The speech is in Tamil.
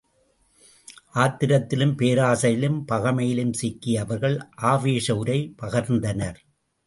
ஆத்திரத்திலும் பேராசையிலும் பகைமையிலும் சிக்கிய அவர்கள் ஆவேச உரை பகர்ந்தனர்.